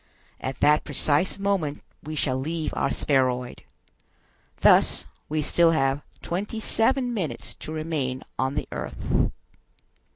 At that precise moment we shall leave our spheroid. Thus we still have twenty seven minutes to remain on the earth."